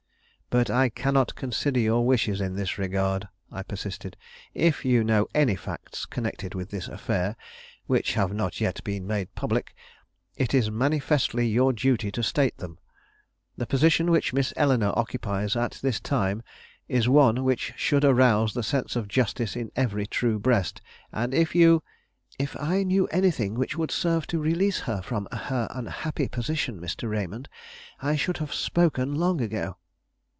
"But I cannot consider your wishes in this regard," I persisted. "If you know any facts, connected with this affair, which have not yet been made public, it is manifestly your duty to state them. The position which Miss Eleanore occupies at this time is one which should arouse the sense of justice in every true breast; and if you " "If I knew anything which would serve to release her from her unhappy position, Mr. Raymond, I should have spoken long ago."